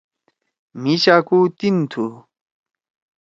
مھی چاکُو تیِن تُھو۔